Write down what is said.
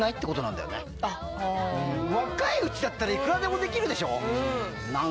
若いうちだったらいくらでもできるでしょ。